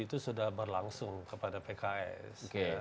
itu sudah berlangsung kepada pks